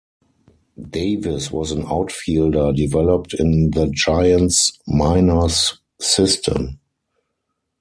Davis was an outfielder developed in the Giants minors system.